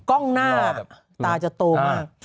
กล้องหน้าตาจะโตมาก